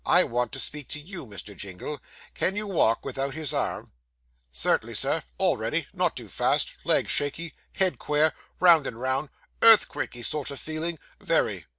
I want to speak to you, Mr. Jingle. Can you walk without his arm?' 'Certainly, sir all ready not too fast legs shaky head queer round and round earthquaky sort of feeling very.